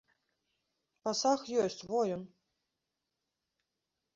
Пасаг ёсць, во ён.